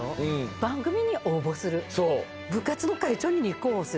番組に応募する部活の会長に立候補する。